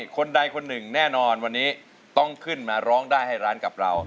คนใดคนหนึ่งแน่นอนวันนี้ต้องขึ้นมาร้องได้ให้ร้านกับเรา